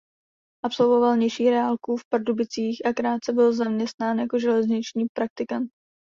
Absolvoval nižší reálku v Pardubicích a krátce byl zaměstnán jako železniční praktikant.